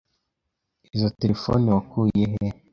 Izoi terefone wakuye he?